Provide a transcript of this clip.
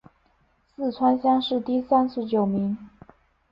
四川乡试第三十九名。